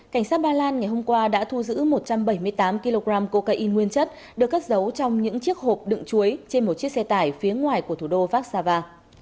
cảnh sát ba lan ngày hôm qua đã thu giữ một trăm bảy mươi tám kg cocaine nguyên chất được cất giấu trong những chiếc hộp đựng chuối trên một chiếc xe tải phía ngoài của thủ đô vác xa va